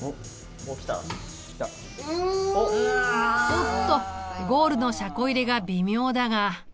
おっとゴールの車庫入れが微妙だが。